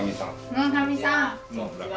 村上さん。